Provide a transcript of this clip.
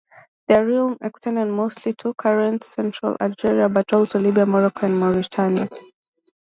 Their realm extended mostly to current central Algeria, but also Libya, Morocco and Mauritania.